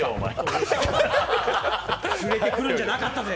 連れてくるんじゃなかったぜ。